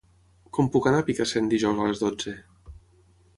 Com puc anar a Picassent dijous a les dotze?